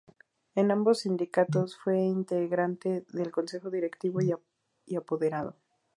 En ambos sindicatos fue integrante del Consejo Directivo y apoderado.